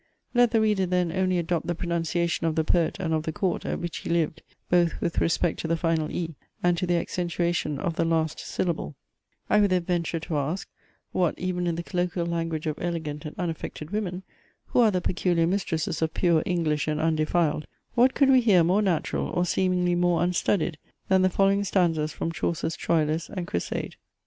Let the reader then only adopt the pronunciation of the poet and of the court, at which he lived, both with respect to the final e and to the accentuation of the last syllable; I would then venture to ask, what even in the colloquial language of elegant and unaffected women, (who are the peculiar mistresses of "pure English and undefiled,") what could we hear more natural, or seemingly more unstudied, than the following stanzas from Chaucer's TROILUS AND CRESEIDE.